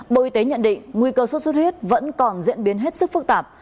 bộ y tế nhận định nguy cơ sốt xuất huyết vẫn còn diễn biến hết sức phức tạp